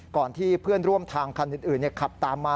ก่อนที่เพื่อนร่วมทางคันอื่นขับตามมา